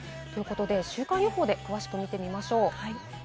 週間予報で詳しく見ましょう。